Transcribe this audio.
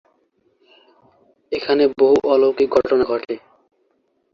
এখানে বহু অলৌকিক ঘটনা ঘটে।